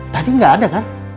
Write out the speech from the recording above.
tadi gak ada kan